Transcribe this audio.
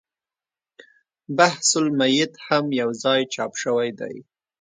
بحث المیت هم یو ځای چاپ شوی دی.